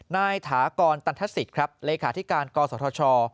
นายถจตรัสศิษย์ระแหลกของกสทช